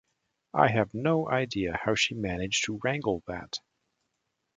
I have no idea how she managed to wangle that!